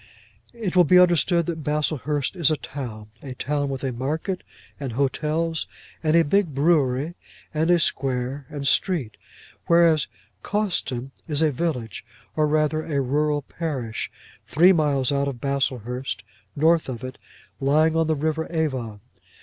It will be understood that Baslehurst is a town, a town with a market, and hotels, and a big brewery, and a square, and street; whereas Cawston is a village, or rather a rural parish, three miles out of Baslehurst, north of it, lying on the river Avon.